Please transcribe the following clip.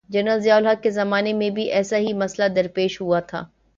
General Zia ul Haq کے زمانے میں بھی ایسا ہی مسئلہ درپیش ہوا تھا۔